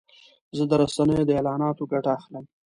زه د رسنیو د اعلاناتو ګټه اخلم.